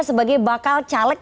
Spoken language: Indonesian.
sebagai bakal caleg